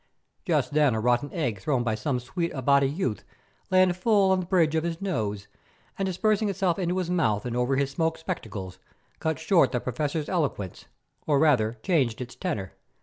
Just then a rotten egg thrown by some sweet Abati youth landed full on the bridge of his nose, and dispersing itself into his mouth and over his smoked spectacles, cut short the Professor's eloquence, or rather changed its tenor.